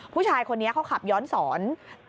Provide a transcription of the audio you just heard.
ผู้ชายคนนี้เขาขับย้อนสอน